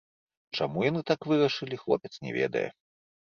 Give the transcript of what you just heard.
Чаму яны так вырашылі, хлопец не ведае.